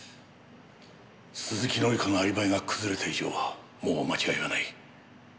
鈴木紀子のアリバイが崩れた以上もう間違いはない。